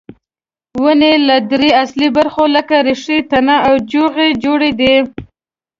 ونې له درې اصلي برخو لکه ریښې، تنه او جوغې جوړې دي.